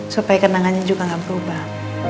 supaya kenangannya juga gak berubah